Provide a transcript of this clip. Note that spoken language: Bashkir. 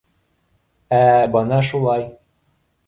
— Ә бына шулай.